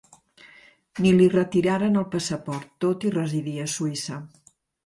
Ni li retiraren el passaport, tot i residir a Suïssa.